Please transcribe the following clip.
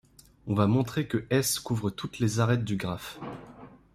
On va montrer que S couvre toutes les arêtes du graphe.